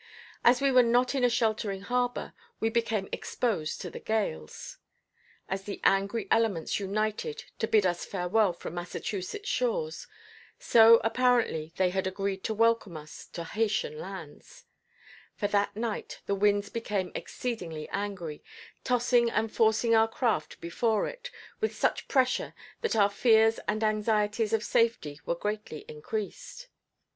As we were not in a sheltering harbor, we became exposed to the gales. As the angry elements united to bid us farewell from Massachusetts shores, so apparently they had agreed to welcome us to Haytian lands; for that night the winds became exceedingly angry, tossing and forcing our craft before it with such pressure that our fears and anxieties of safety were greatly increased.